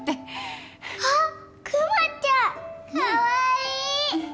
あっクマちゃん！かわいい！